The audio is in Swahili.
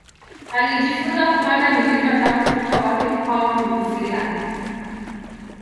Alijifunza kupanda milima tangu utoto wake kwao New Zealand.